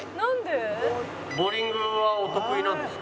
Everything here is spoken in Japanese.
ボウリングはお得意なんですか？